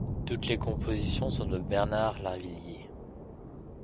Toutes les compositions sont de Bernard Lavilliers.